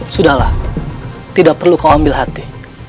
sudahlah tidak perlu kau ambil hati